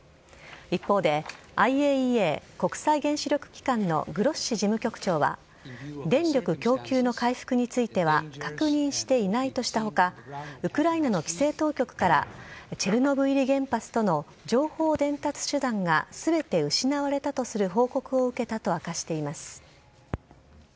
一方でＩＡＥＡ＝国際原子力機関のグロッシ事務局長は電力供給の回復については確認していないとした他ウクライナの規制当局からチェルノブイリ原発との情報伝達手段が全て失われたとする報告を受けたと明かしています。